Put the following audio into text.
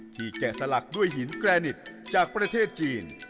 แกะสลักด้วยหินแกรนิกจากประเทศจีน